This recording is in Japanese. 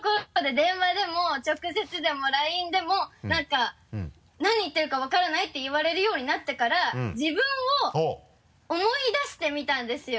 電話でも直接でもＬＩＮＥでもなんか何言ってるか分からないて言われるようになってから自分を思い出してみたんですよ。